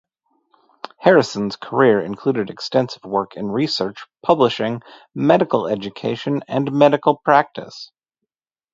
Harrison's career included extensive work in research, publishing, medical education, and medical practice.